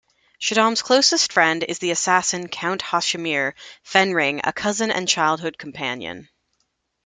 Shaddam's closest friend is the assassin Count Hasimir Fenring, a cousin and childhood companion.